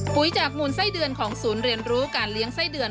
จากมูลไส้เดือนของศูนย์เรียนรู้การเลี้ยงไส้เดือน